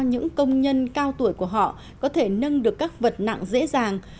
những công nhân cao tuổi của họ có thể nâng được các vật nặng dễ dàng